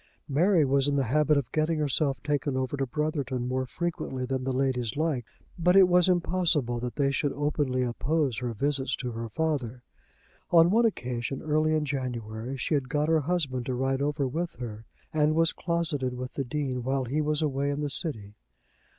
Mary was in the habit of getting herself taken over to Brotherton more frequently than the ladies liked; but it was impossible that they should openly oppose her visits to her father. On one occasion, early in January, she had got her husband to ride over with her, and was closeted with the Dean while he was away in the city.